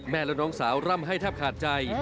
แม่และน้องสาวร่ำให้ถิ่มขาดใจ